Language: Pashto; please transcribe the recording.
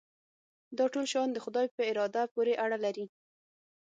دا ټول شیان د خدای په اراده پورې اړه لري.